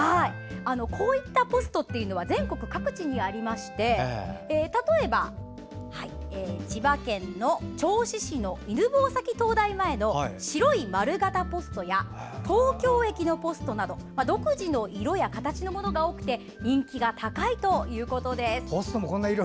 こういったポストは全国各地にありまして例えば、千葉県の銚子市の犬吠埼灯台前の白い丸形ポストや東京駅のポストなど独自の色や形のものが多くて人気が高いということです。